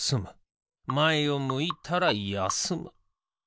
まえをむいたらやすむ。